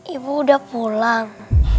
ibu udah pulang